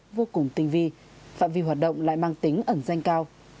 các đối tượng vô cùng tinh vi phạm vi hoạt động lại mang tính ẩn danh cao